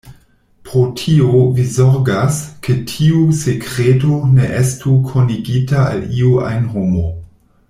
Pro tio vi zorgas, ke tiu sekreto ne estu konigita al iu ajn homo.